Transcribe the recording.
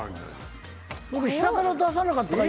それ下から出さなかったか？